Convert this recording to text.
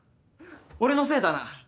俺のせいだな。